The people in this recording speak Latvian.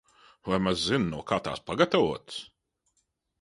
Vai maz zini, no kā tās pagatavotas?